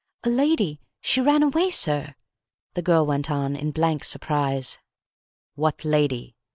"A lady she ran away, sir," the girl went on, in blank surprise. "What lady?"